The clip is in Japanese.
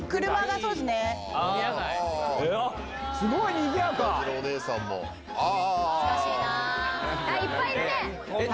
いっぱいいるね！